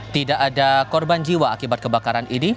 tidak ada korban jiwa akibat kebakaran ini